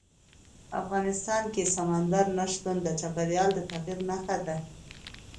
افغانستان کې سمندر نه شتون د چاپېریال د تغیر نښه ده.